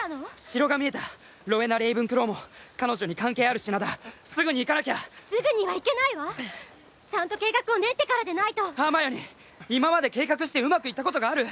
城が見えたロウェナ・レイブンクローも彼女に関係ある品だすぐに行かなきゃすぐには行けないわちゃんと計画を練ってからでないとハーマイオニー今まで計画してうまくいったことがある？